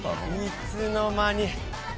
いつの間に。